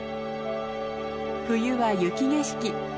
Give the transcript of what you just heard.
冬は雪景色。